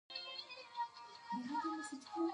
• شنې سترګې د ځلا او رڼا له امله پراخې ښکاري.